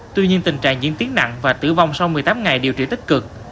tuy nhiên tình trạng diễn tiến nặng và tử vong sau một mươi tám ngày điều trị tích cực